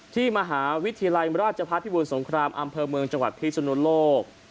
ที่มหาวิทยาลัยราชพัฒนภิบูรสงครามอำเภอเมืองจังหวัดพิศนุโลก